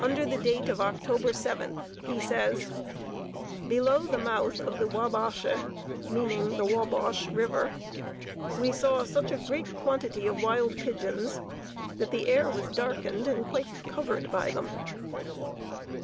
Under date of October 7th he says: "Below the mouth of the Ouabache (meaning the Wabash River), we saw such a great quantity of wild pigeons that the air was darkened and quite covered by them."